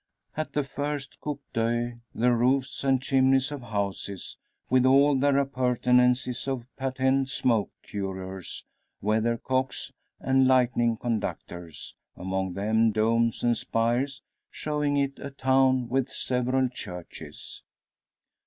At the first coup d'oeil, the roofs and chimneys of houses, with all their appurtenances of patent smoke curers, weathercocks, and lightning conductors; among them domes and spires, showing it a town with several churches.